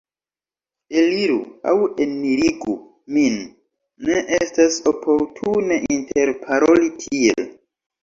Eliru aŭ enirigu min, ne estas oportune interparoli tiel!